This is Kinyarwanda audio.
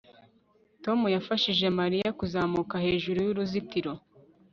Tom yafashije Mariya kuzamuka hejuru yuruzitiro